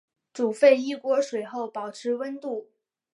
煮沸一锅水后保持温度。